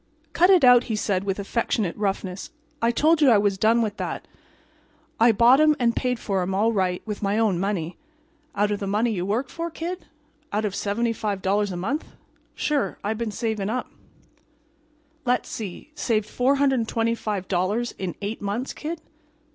"Cut it out," he said, with affectionate roughness. "I told you I was done with that. I bought 'em and paid for 'em, all right, with my own money." "Out of the money you worked for, Kid? Out of $75 a month?" "Sure. I been saving up." "Let's see—saved $425 in eight months, Kid?"